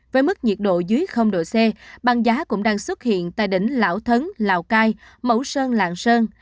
với mức nhiệt độ dưới độ c băng giá cũng đang xuất hiện tại đỉnh lão thấn lào cai mẫu sơn lạng sơn